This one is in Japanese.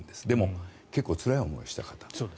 でも、結構つらい思いをしたと。